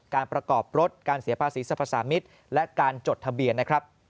การประกอบรถการเสียภาษีสรรพสามิตรและการจดทะเบียนนะครับ